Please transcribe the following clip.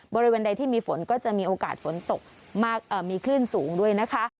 บริเวณใดที่มีฝนก็จะมีโอกาสฝนตกมากมีคลื่นสูงด้วยนะคะ